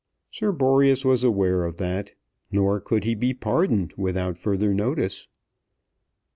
Sir Boreas was aware of that. Nor could he be pardoned without further notice.